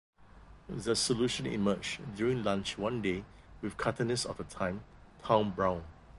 The solution emerged during lunch one day with cartoonist of the time, Tom Browne.